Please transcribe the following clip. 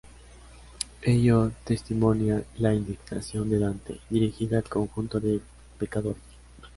Ello testimonia la indignación de Dante, dirigida al conjunto de pecadores.